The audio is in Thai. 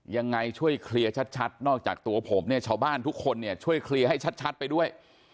ยังไงช่วยเคลียร์ชัดนอกจากตัวผมเนี่ยชาวบ้านทุกคนเนี่ยช่วยเคลียร์ให้ชัดไปด้วย